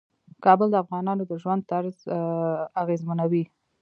کابل د افغانانو د ژوند طرز اغېزمنوي.